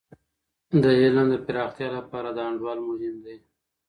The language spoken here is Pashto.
د علم د پراختیا لپاره د انډول مهم دی.